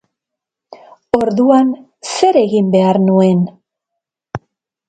Orduan, zer egin behar nuen?